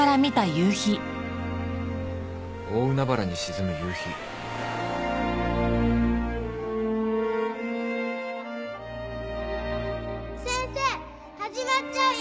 大海原に沈む夕日先生始まっちゃうよ早く早く！